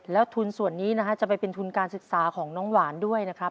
แล้วทุนส่วนนี้นะฮะจะไปเป็นทุนการศึกษาของน้องหวานด้วยนะครับ